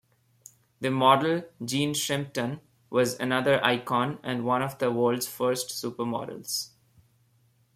The model Jean Shrimpton was another icon and one of the world's first supermodels.